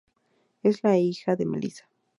Es la hija de Melissa.